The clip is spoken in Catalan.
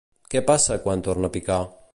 Què passa quan torna a picar?